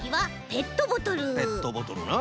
ペットボトルな。